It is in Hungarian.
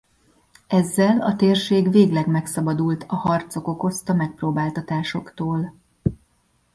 Ezzel a térség végleg megszabadult a harcok okozta megpróbáltatásoktól.